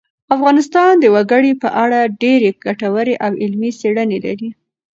افغانستان د وګړي په اړه ډېرې ګټورې او علمي څېړنې لري.